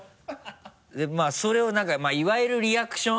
でまぁそれを何かいわゆるリアクション。